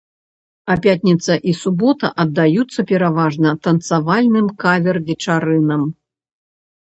А пятніца і субота аддаюцца пераважна танцавальным кавер-вечарынам.